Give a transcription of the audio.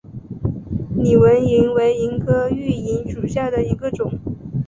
拟纹萤为萤科熠萤属下的一个种。